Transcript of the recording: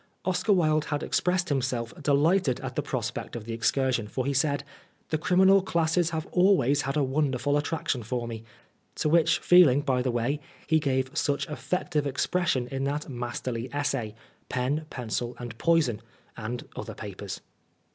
Oscar Wilde had expressed himself delighted at the prospect of the excursion, for he said, "The criminal classes have always had a wonderful attraction for me "; to which feeling, by the way, he gave such effective expression in that masterly essay, " Pen, Pencil, and Poison," and other papers.